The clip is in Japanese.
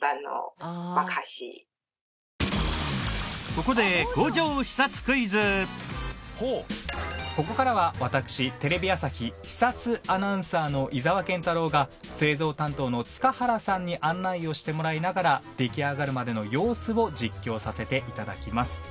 ここでここからは私テレビ朝日視察アナウンサーの井澤健太朗が製造担当の塚原さんに案内をしてもらいながら出来上がるまでの様子を実況させて頂きます。